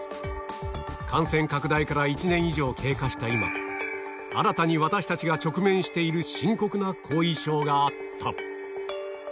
感染拡大から１年以上経過した今、新たに私たちが直面している、深刻な後遺症があった。